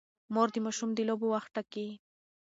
مور د ماشوم د لوبو وخت ټاکي.